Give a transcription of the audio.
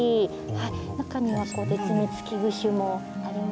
中には絶滅危惧種もありますし。